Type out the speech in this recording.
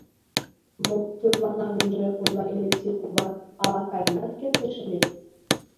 — Мо, тӧрлана гынже, — ойла Элексей кува, — ала каенат кертеш ыле.